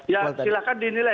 ya silahkan dinilai